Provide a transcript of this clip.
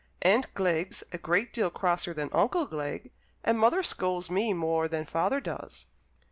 "Aunt Glegg's a great deal crosser than Uncle Glegg, and mother scolds me more than father does."